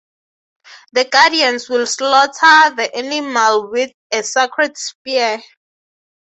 The guardians will slaughter the animal with a sacred spear.